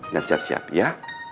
dan siap siap ya